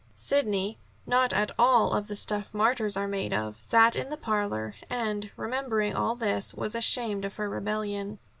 Sidney, not at all of the stuff martyrs are made of, sat in the scented parlor and, remembering all this, was ashamed of her rebellion.